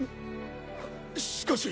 しかし。